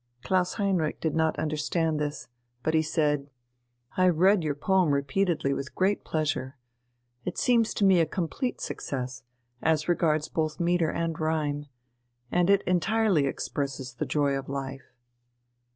Klaus Heinrich did not understand this; but he said: "I have read your poem repeatedly with great pleasure. It seems to me a complete success, as regards both metre and rhyme. And it entirely expresses the 'Joy of Life.'"